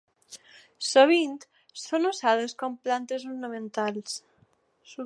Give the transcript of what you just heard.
Sovint són usades com plantes ornamentals.